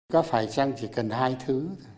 có phải trang chỉ cần hai thứ